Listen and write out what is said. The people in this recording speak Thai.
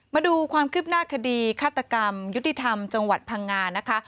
มาดูความคืบหน้าคดีฆาตกรรมยุติธรรมจังหวัดพังงานะคะ